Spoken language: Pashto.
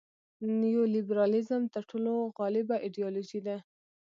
نیولیبرالیزم تر ټولو غالبه ایډیالوژي ده.